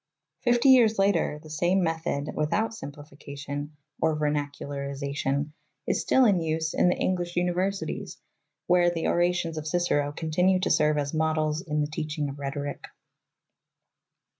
Fifty years later the same method without sim plification or vernacularization is still in use in the English univer sities, where the orations of Cicero continue to serve as models in the teaching of rhetoric.